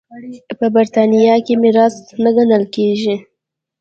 په برېټانیا کې میراث نه ګڼل کېږي.